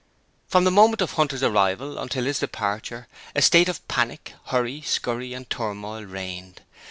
From the moment of Hunter's arrival until his departure, a state of panic, hurry, scurry and turmoil reigned.